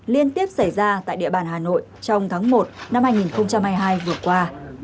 liên tiếp xảy ra tại địa bàn hà nội trong tháng một năm hai nghìn hai mươi hai vừa qua